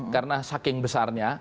karena saking besarnya